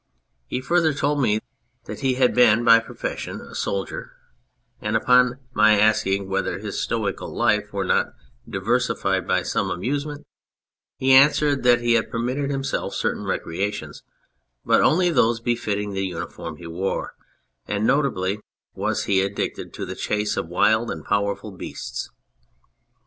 He further told me that he had been by profession a soldier, and upon my asking whether his stoical life were not diversified by some amusement he answered that he had per mitted himself certain recreations, but only those befitting the uniform he wore, and notably was he addicted to the chase of wild and powerful beasts.